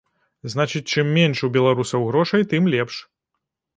Значыць, чым менш у беларусаў грошай, тым лепш.